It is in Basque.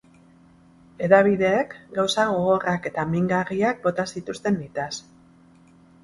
Hedabideek gauza gogorrak eta mingarriak bota zituzten nitaz.